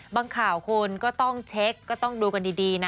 ข่าวคุณก็ต้องเช็คก็ต้องดูกันดีนะ